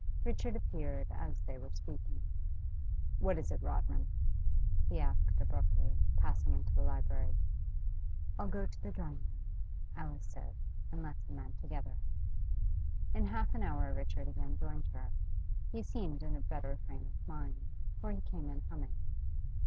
Richard appeared as they were speaking. 'What is it, Rodman?' he asked abruptly, passing into the library. 'I'll go to the drawing room,' Alice said, and left the men together. In half an hour Richard again joined her. He seemed in a better frame of mind, for he came in humming.